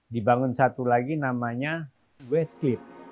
dibangun satu lagi namanya westlip